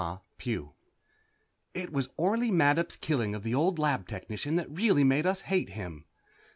Harris_ It was Orley Mattup's killing of the old lab technician that really made us hate him.